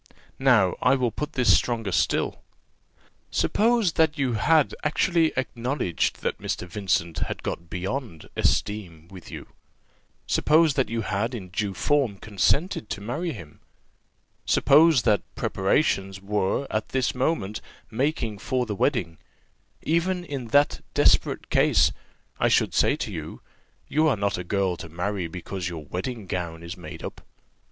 Now I will put this stronger still. Suppose that you had actually acknowledged that Mr. Vincent had got beyond esteem with you; suppose that you had in due form consented to marry him; suppose that preparations were at this moment making for the wedding; even in that desperate case I should say to you, you are not a girl to marry because your wedding gown is made up.